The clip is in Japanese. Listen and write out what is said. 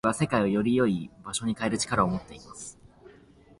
親切な行動が、世界をより良い場所に変える力を持っています。